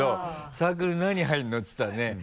「サークル何入るの？」って言ったらね。